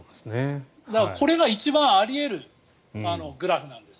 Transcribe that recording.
だから、これが一番あり得るグラフなんです。